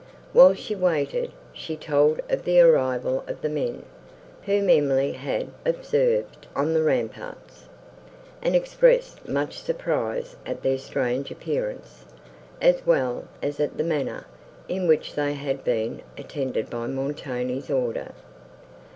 While she waited, she told of the arrival of the men, whom Emily had observed on the ramparts, and expressed much surprise at their strange appearance, as well as at the manner, in which they had been attended by Montoni's order.